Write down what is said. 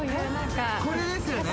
これですよね。